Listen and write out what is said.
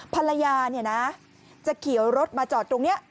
ภรรยาจะเขียวรถมาจอดตรงนี้